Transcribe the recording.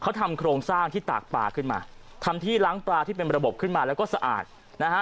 เขาทำโครงสร้างที่ตากปลาขึ้นมาทำที่ล้างปลาที่เป็นระบบขึ้นมาแล้วก็สะอาดนะฮะ